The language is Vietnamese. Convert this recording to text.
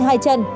này hai chân